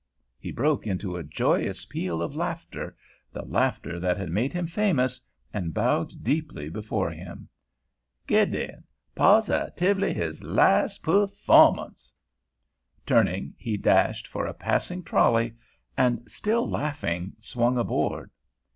He broke into a joyous peal of laughter—the laughter that had made him famous, and bowed deeply before him. "Gideon—posi tive ly his las' puffawmunce." Turning, he dashed for a passing trolley, and, still laughing, swung aboard.